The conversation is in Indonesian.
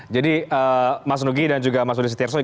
jadi mas nugi dan juga mas budi setiarto